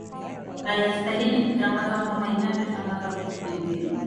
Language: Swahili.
hayastahili kutangazwa kama inavyo tangazwa vitu vingine